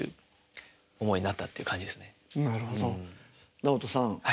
直人さん